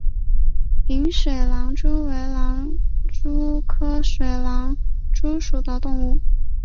弓水狼蛛为狼蛛科水狼蛛属的动物。